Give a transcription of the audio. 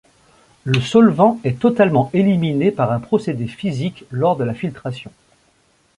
Le solvant est totalement éliminé par un procédé physique lors de la filtration.